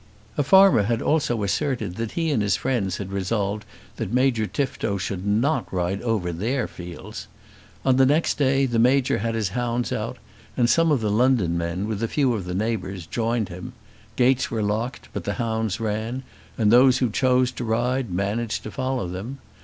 A farmer had also asserted that he and his friends had resolved that Major Tifto should not ride over their fields. On the next day the Major had his hounds out, and some of the London men, with a few of the neighbours, joined him. Gates were locked; but the hounds ran, and those who chose to ride managed to follow them.